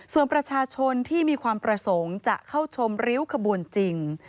ส่วนประชาชนที่มีความประสงค์จะเข้าชมริ้วขบวนจริง